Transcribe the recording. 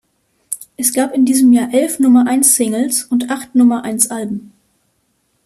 Es gab in diesem Jahr elf Nummer-eins-Singles und acht Nummer-eins-Alben.